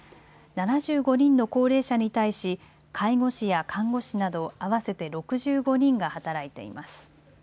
７５人の高齢者に対し介護士や看護師など合わせて６５人が働いています。